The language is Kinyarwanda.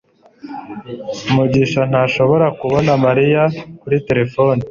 mugisha ntashobora kubona Mariya kuri terefone